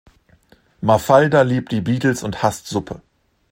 Mafalda liebt die Beatles und hasst Suppe.